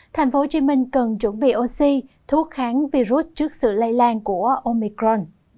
thành phố hồ chí minh cần chuẩn bị oxy thuốc kháng virus trước sự lây lan của omicron